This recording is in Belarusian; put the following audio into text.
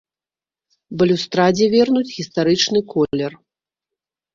Балюстрадзе вернуць гістарычны колер.